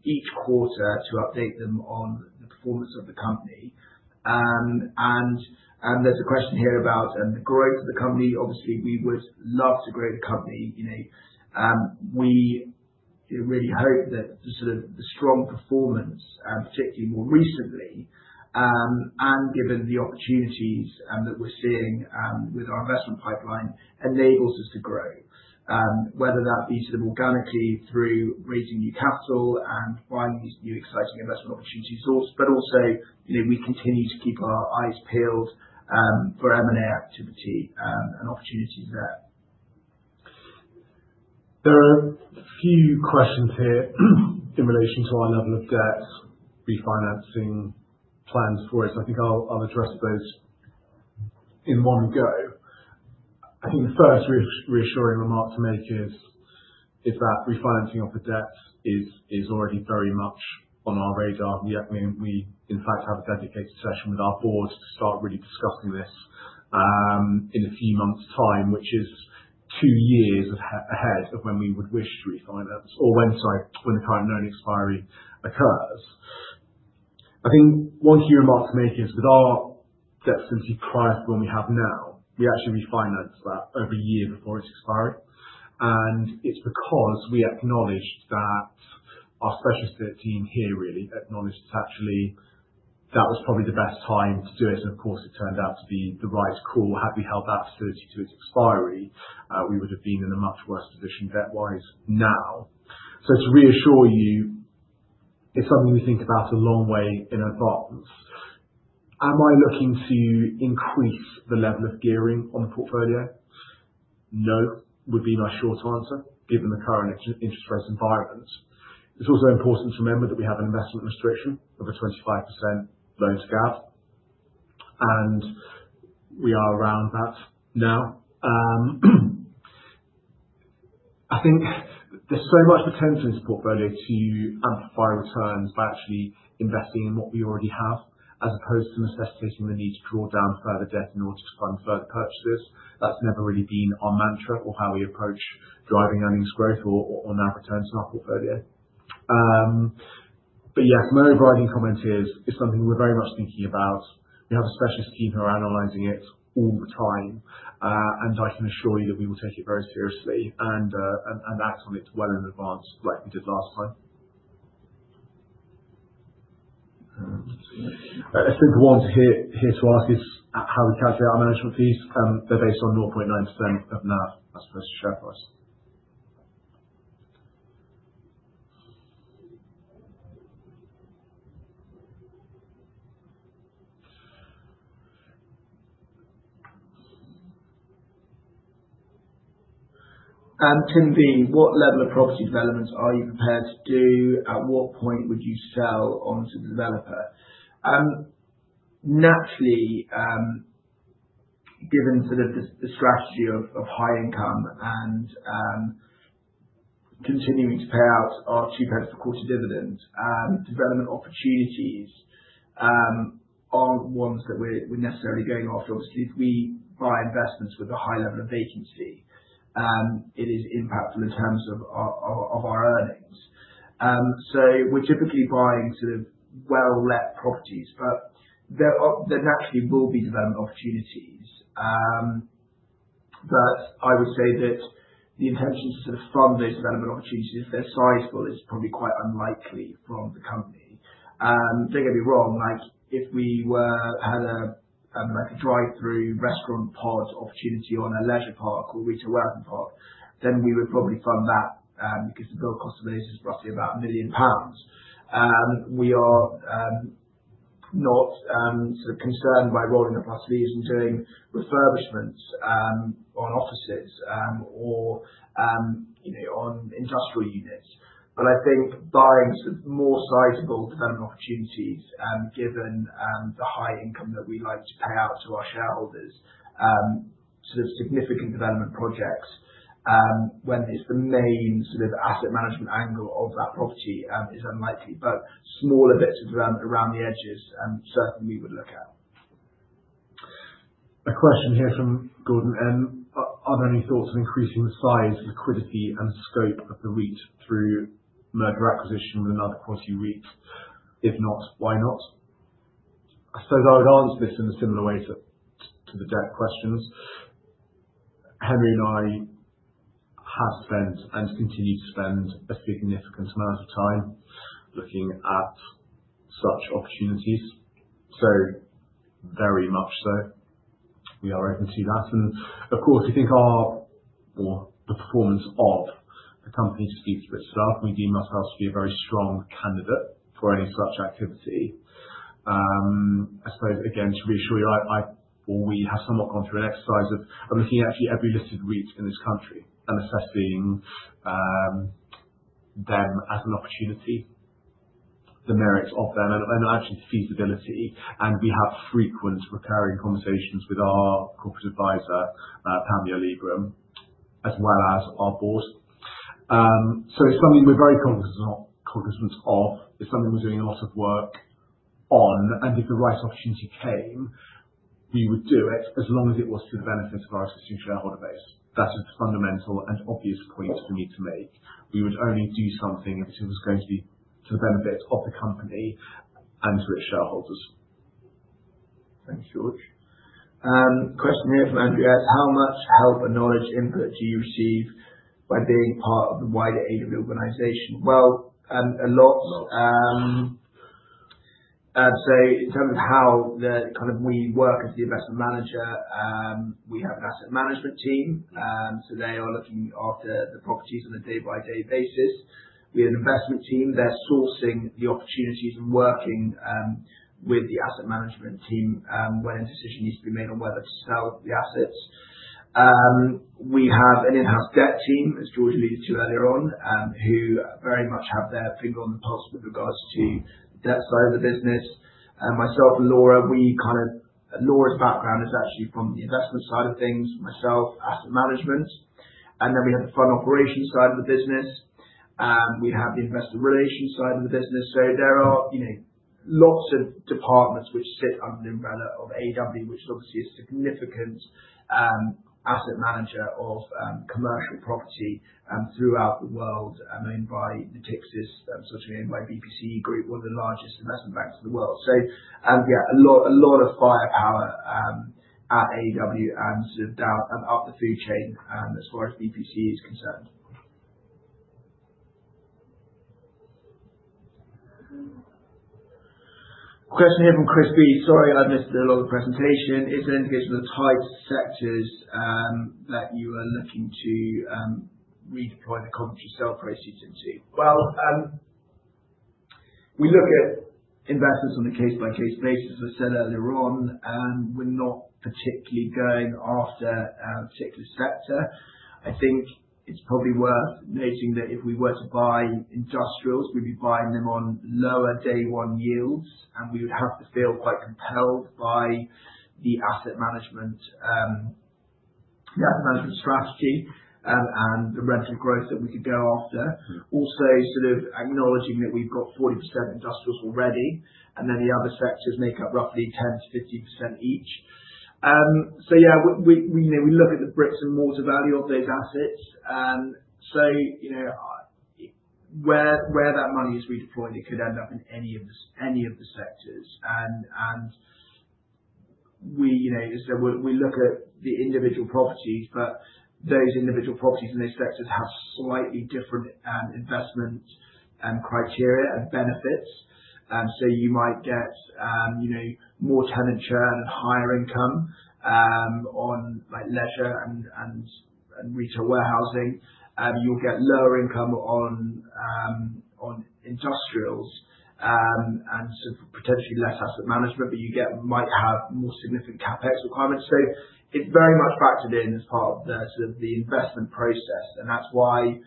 each quarter to update them on the performance of the company. There's a question here about the growth of the company. Obviously, we would love to grow the company. We really hope that the sort of strong performance, particularly more recently, and given the opportunities that we're seeing with our investment pipeline, enables us to grow, whether that be sort of organically through raising new capital and finding these new exciting investment opportunities sourced. But also we continue to keep our eyes peeled for M&A activity and opportunities there. There are a few questions here in relation to our level of debt, refinancing plans for it. So I think I'll address those in one go. I think the first reassuring remark to make is that refinancing of the debt is already very much on our radar. We in fact have a dedicated session with our board to start really discussing this in a few months' time, which is two years ahead of when we would wish to refinance or when the current known expiry occurs. I think one key remark to make is with our debt facility prior to the one we have now, we actually refinanced that every year before its expiry, and it's because we acknowledged that our specialist team here really actually that was probably the best time to do it. And of course, it turned out to be the right call. Had we held that facility to its expiry, we would have been in a much worse position debt-wise now. So to reassure you, it's something we think about a long way in advance. Am I looking to increase the level of gearing on the portfolio? No, would be my short answer given the current interest rate environment. It's also important to remember that we have an investment restriction of a 25% loan to GAV, and we are around that now. I think there's so much potential in this portfolio to amplify returns by actually investing in what we already have as opposed to necessitating the need to draw down further debt in order to fund further purchases. That's never really been our mantra or how we approach driving earnings growth or NAV returns in our portfolio. But yeah, my overriding comment is it's something we're very much thinking about. We have a specialist team who are analyzing it all the time, and I can assure you that we will take it very seriously and act on it well in advance like we did last time. I think the one here to ask is how we calculate our management fees. They're based on 0.9% of NAV as opposed to share price. Tim V, what level of property developments are you prepared to do? At what point would you sell onto the developer? Naturally, given sort of the strategy of high income and continuing to pay out our 0.02 pounds per quarter dividend, development opportunities aren't ones that we're necessarily going after. Obviously, if we buy investments with a high level of vacancy, it is impactful in terms of our earnings. So we're typically buying sort of well-let properties, but there naturally will be development opportunities. But I would say that the intention to sort of fund those development opportunities, if they're sizable, is probably quite unlikely from the company. Don't get me wrong. If we had a drive-through restaurant pod opportunity on a leisure park or retail warehousing park, then we would probably fund that because the build cost of those is roughly about 1 million pounds. We are not sort of concerned by rolling up our sleeves and doing refurbishments on offices or on industrial units. But I think buying sort of more sizable development opportunities, given the high income that we like to pay out to our shareholders, sort of significant development projects when it's the main sort of asset management angle of that property is unlikely. But smaller bits of development around the edges, certainly we would look at. A question here from Gordon. Are there any thoughts on increasing the size, liquidity, and scope of the REIT through merger acquisition with another quality REIT? If not, why not? I suppose I would answer this in a similar way to the debt questions. Henry and I have spent and continue to spend a significant amount of time looking at such opportunities. So very much so. We are open to that. Of course, we think our performance of the company to speak to itself. We deem ourselves to be a very strong candidate for any such activity. I suppose, again, to reassure you, we have somewhat gone through an exercise of looking at actually every listed REIT in this country and assessing them as an opportunity, the merits of them, and actually the feasibility. We have frequent recurring conversations with our corporate advisor, Panmure Liberum, as well as our board. It's something we're very cognizant of. It's something we're doing a lot of work on. If the right opportunity came, we would do it as long as it was to the benefit of our existing shareholder base. That is the fundamental and obvious point for me to make. We would only do something if it was going to be to the benefit of the company and to its shareholders. Thanks, George. Question here from Andrew S. How much help and knowledge input do you receive by being part of the wider AEW organization? Well, a lot. So in terms of how kind of we work as the investment manager, we have an asset management team. So they are looking after the properties on a day-by-day basis. We have an investment team. They're sourcing the opportunities and working with the asset management team when a decision needs to be made on whether to sell the assets. We have an in-house debt team, as George alluded to earlier on, who very much have their finger on the pulse with regards to the debt side of the business. Myself and Laura, we kind of, Laura's background is actually from the investment side of things, myself, asset management, and then we have the fund operation side of the business. We have the investor relations side of the business. So there are lots of departments which sit under the umbrella of AEW, which is obviously a significant asset manager of commercial property throughout the world, owned by Natixis, subsequently owned by BPCE Group, one of the largest investment banks in the world. So yeah, a lot of firepower at AEW and sort of down and up the food chain as far as BPCE is concerned. Question here from Chris B. Sorry, I missed a lot of the presentation. Is there any case with the right sectors that you are looking to redeploy the proceeds from the assets you sell into? We look at investments on a case-by-case basis, as I said earlier on. We're not particularly going after a particular sector. I think it's probably worth noting that if we were to buy industrials, we'd be buying them on lower day-one yields, and we would have to feel quite compelled by the asset management strategy and the rental growth that we could go after. Also sort of acknowledging that we've got 40% industrials already, and then the other sectors make up roughly 10%-15% each. Yeah, we look at the bricks and mortar value of those assets. Where that money is redeployed, it could end up in any of the sectors. As I said, we look at the individual properties, but those individual properties in those sectors have slightly different investment criteria and benefits. So you might get more tenant churn and higher income on leisure and retail warehousing. You'll get lower income on industrials and potentially less asset management, but you might have more significant CapEx requirements. So it's very much factored in as part of the investment process. And that's why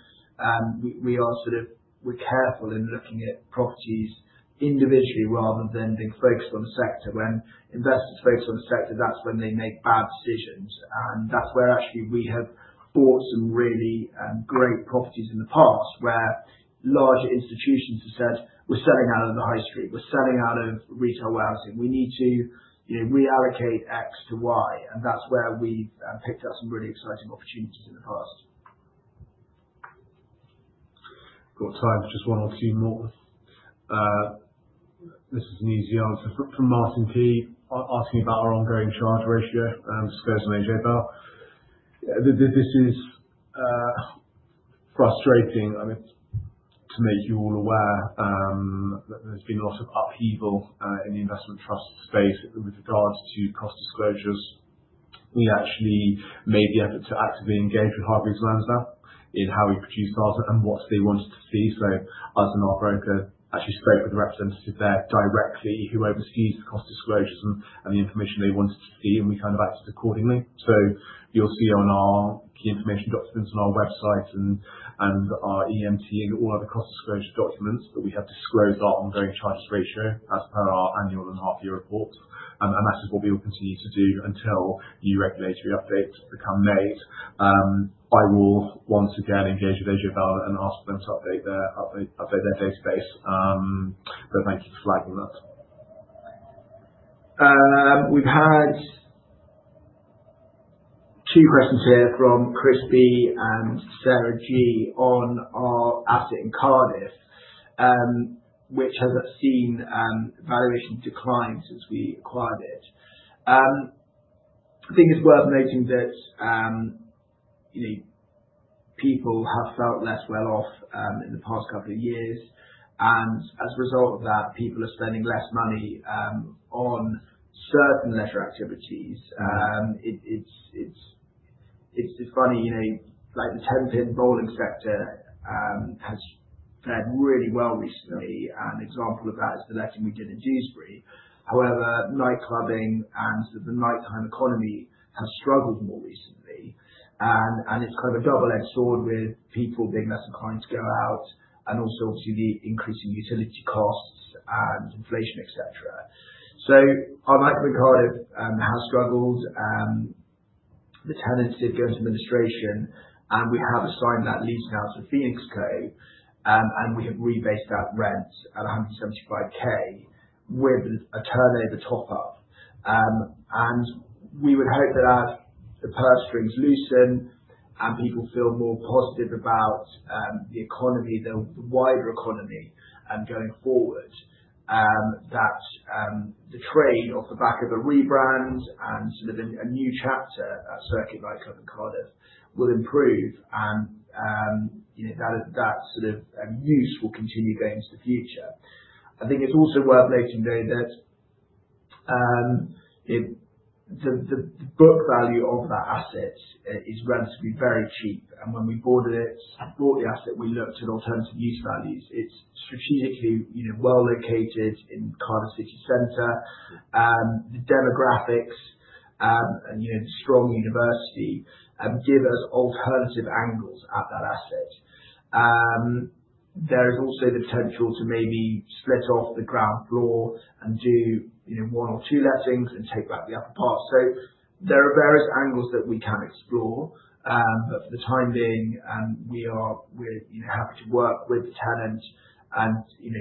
we are sort of careful in looking at properties individually rather than being focused on a sector. When investors focus on a sector, that's when they make bad decisions. And that's where actually we have bought some really great properties in the past where larger institutions have said, "We're selling out of the high street. We're selling out of retail warehousing. We need to reallocate X to Y." And that's where we've picked up some really exciting opportunities in the past. Got time. Just one or two more. This is an easy answer. From Martin P, asking about our ongoing charges ratio and disclosure on AJ Bell. This is frustrating. I mean, to make you all aware, there's been a lot of upheaval in the investment trust space with regards to cost disclosures. We actually made the effort to actively engage with Hargreaves Lansdown in how we produce data and what they wanted to see. So us and our broker actually spoke with a representative there directly who oversees the cost disclosures and the information they wanted to see, and we kind of acted accordingly. So you'll see on our key information documents on our website and our EMT and all other cost disclosure documents that we have disclosed our ongoing charges ratio as per our annual and half-year reports. And that is what we will continue to do until new regulatory updates become made. I will once again engage with AJ Bell and ask them to update their database. But thank you for flagging that. We've had two questions here from Chris B and Sarah G on our asset in Cardiff, which has seen valuation decline since we acquired it. I think it's worth noting that people have felt less well off in the past couple of years. And as a result of that, people are spending less money on certain leisure activities. It's funny, like the ten-pin bowling sector has fared really well recently. An example of that is the letting we did in Dewsbury. However, nightclubbing and the nighttime economy have struggled more recently. And it's kind of a double-edged sword with people being less inclined to go out and also obviously the increasing utility costs and inflation, etc. So our nightclub in Cardiff has struggled. The tenants did go into administration, and we have assigned that lease now to Phoenix Co, and we have rebased that rent at 175,000 with a turnover top-up. And we would hope that as the purse strings loosen and people feel more positive about the economy, the wider economy going forward, that the trade off the back of a rebrand and sort of a new chapter at Circuit Nightclub in Cardiff will improve and that sort of use will continue going into the future. I think it's also worth noting though that the book value of that asset is relatively very cheap. And when we bought the asset, we looked at alternative use values. It's strategically well located in Cardiff City Centre. The demographics and the strong university give us alternative angles at that asset. There is also the potential to maybe split off the ground floor and do one or two lettings and take back the upper part. So there are various angles that we can explore. But for the time being, we're happy to work with the tenants and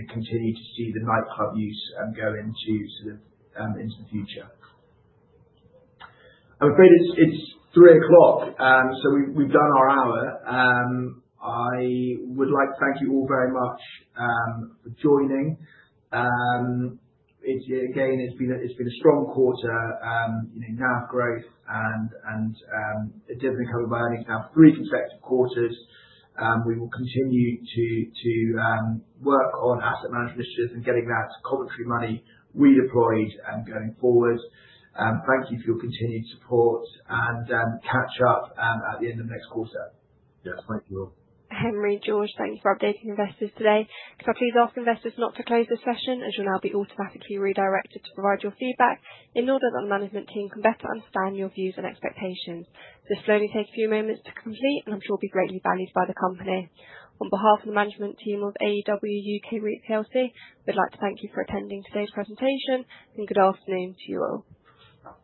continue to see the nightclub use go into sort of the future. I'm afraid it's 3:00 P.M., so we've done our hour. I would like to thank you all very much for joining. Again, it's been a strong quarter, NAV growth, and a dividend covered by earnings now for three consecutive quarters. We will continue to work on asset management initiatives and getting that committed money redeployed going forward. Thank you for your continued support and catch up at the end of next quarter. Yes, thank you all. Henry, George, thank you for updating investors today. Could I please ask investors not to close the session as you'll now be automatically redirected to provide your feedback in order that the management team can better understand your views and expectations? This will only take a few moments to complete, and I'm sure it will be greatly valued by the company. On behalf of the management team of AEW UK REIT plc, we'd like to thank you for attending today's presentation, and good afternoon to you all.